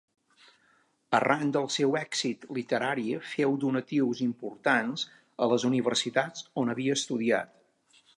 Arran del seu èxit literari féu donatius importants a les universitats on havia estudiat.